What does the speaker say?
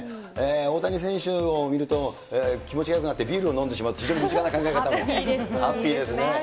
大谷選手を見ると気持ちがよくなってビールを飲んでしまうという、非常に身近な考え方も、ハッピーですね。